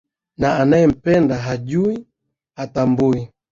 Na anayempenda hajui, hatambui.